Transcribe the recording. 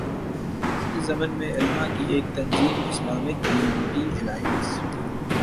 اس ضمن میں علما کی ایک تنظیم ”اسلامک یونٹی الائنس“